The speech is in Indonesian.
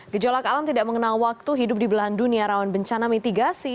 gejolak alam tidak mengenal waktu hidup di belahan dunia rawan bencana mitigasi